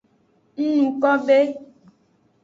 Ng nu ko be.